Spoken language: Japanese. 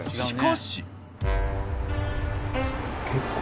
しかし。